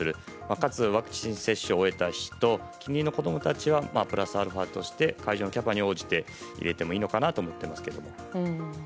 かつワクチン接種を終えた人近隣の子供たちはプラスアルファとして会場のキャパに応じて入れてもいいのかと思っていますけども。